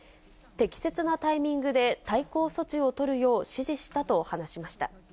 適切なタイミングで対抗措置を取るよう指示したと話しました。